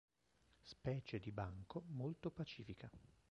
Specie di banco molto pacifica.